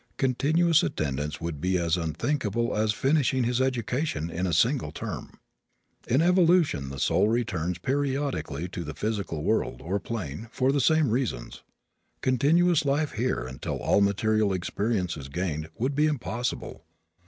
Continuous attendance would be as unthinkable as finishing his education in a single term. In evolution the soul returns periodically to the physical world, or plane, for the same reasons. Continuous life here until all material experience is gained would be impossible.